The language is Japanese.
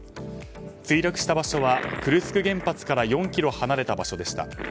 墜落した場所はクルスク原発から４ｋｍ離れた場所でした。